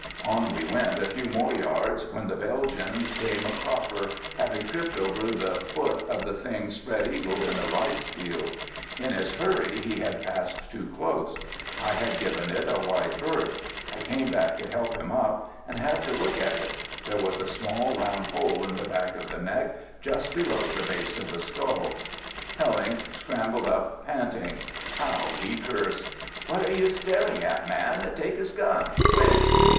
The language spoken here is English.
On we went a few more yards, when the Belgian came a cropper, having tripped over the foot of the thing spread eagled in the rice field. In his hurry he had passed too close. I had given it a wide berth. I came back to help him up, and had to look at it. There was a small round hole in the back of the neck, just below the base of the skull. Hellincks scrambled up, panting. How he cursed! "What are you staring at, man? Take his gun quick!"